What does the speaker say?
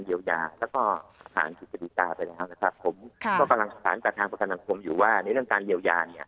อยู่ว่าในเรื่องของเมืองเรียวยา